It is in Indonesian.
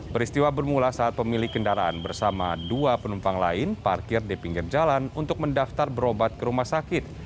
peristiwa bermula saat pemilik kendaraan bersama dua penumpang lain parkir di pinggir jalan untuk mendaftar berobat ke rumah sakit